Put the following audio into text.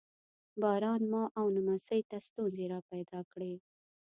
باران ما او نمسۍ ته ستونزې را پیدا کړې.